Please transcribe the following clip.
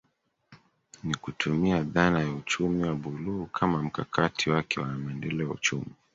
Ni kutumia dhana ya uchumi wa buluu kama mkakati wake wa maendeleo ya uchumi